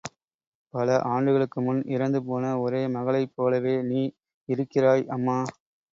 பல ஆண்டுகளுக்கு முன் இறந்து போன ஒரே மகளைப் போலவே நீர் இருக்கிறாய் அம்மா!